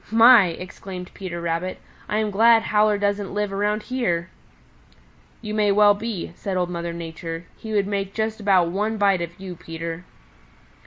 "My!" exclaimed Peter Rabbit, "I am glad Howler doesn't live around here." "You well may be," said Old Mother Nature. "He would make just about one bite of you, Peter."